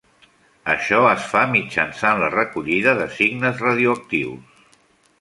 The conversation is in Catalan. Això es fa mitjançant la recollida de signes radioactius.